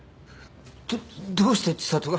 どどうして知里が。